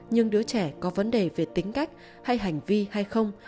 nhưng đứa trẻ có vấn đề về tính cách hay hành vi hay không